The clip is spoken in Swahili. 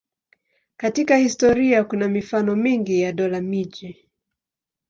Katika historia kuna mifano mingi ya dola-miji.